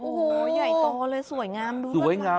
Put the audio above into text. โอ้โฮใหญ่ต่อเลยสวยงามดูว่าไง